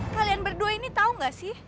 kalian berdua ini tau gak sih